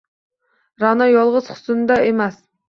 Ra’no yolg’iz husnda emas